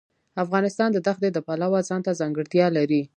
افغانستان د ښتې د پلوه ځانته ځانګړتیا لري.